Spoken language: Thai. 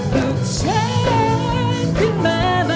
ลูกฉันขึ้นมานะ